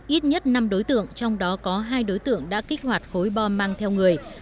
ít nhất năm đối tượng trong đó có hai đối tượng đã kích hoạt khối bom mang theo người